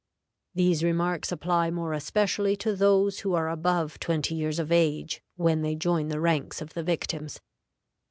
These remarks apply more especially to those who are above twenty years of age when they join the ranks of the victims."